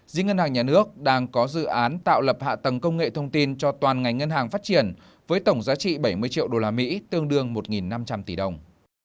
riêng ngân hàng nhà nước đang có dự án tạo lập hạ tầng công nghệ thông tin cho toàn ngành ngân hàng phát triển với tổng giá trị bảy mươi triệu usd tương đương một năm trăm linh tỷ đồng